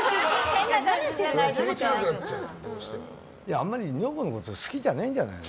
あまり女房のこと好きじゃないんじゃないの？